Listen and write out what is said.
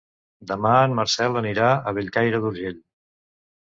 Demà en Marcel anirà a Bellcaire d'Urgell.